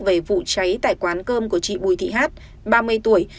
về vụ cháy tại quán cơm của chị bùi thị hát ba mươi tuổi